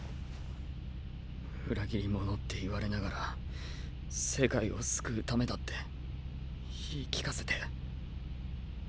裏切り者って言われながら世界を救うためだって言い聞かせて。